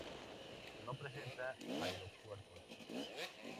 No presenta aeropuertos.